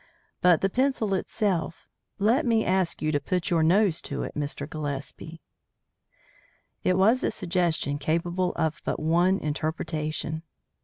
But the pencil itself Let me ask you to put your nose to it, Mr. Gillespie." It was a suggestion capable of but one interpretation.